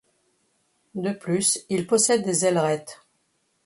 De plus il possède des ailerettes.